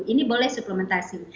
ini boleh suplementasi